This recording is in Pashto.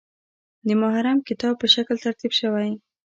د محرم کتاب په شکل ترتیب شوی.